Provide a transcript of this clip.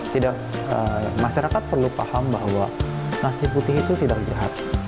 tidak masyarakat perlu paham bahwa nasi putih itu tidak sehat